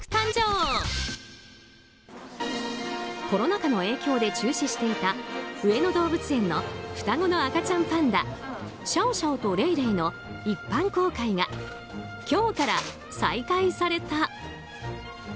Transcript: コロナ禍の影響で中止していた上野動物園の双子の赤ちゃんパンダシャオシャオとレイレイの一般公開が今日から再開された。